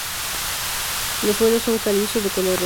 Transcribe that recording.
Los suelos son calizos de color rojo.